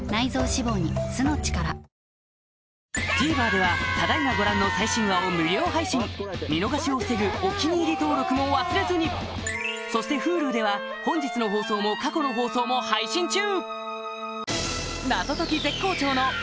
ＴＶｅｒではただ今ご覧の最新話を無料配信見逃しを防ぐ「お気に入り」登録も忘れずにそしてＨｕｌｕでは本日の放送も過去の放送も配信中！